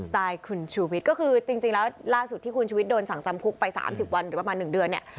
ไตล์คุณชูวิทย์ก็คือจริงแล้วล่าสุดที่คุณชุวิตโดนสั่งจำคุกไป๓๐วันหรือประมาณ๑เดือนเนี่ย